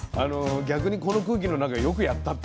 逆にこの空気の中よくやったって。